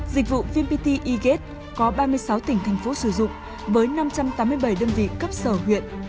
dịch vụ vmpt egate có ba mươi sáu tỉnh thành phố sử dụng với năm trăm tám mươi bảy đơn vị cấp sở huyện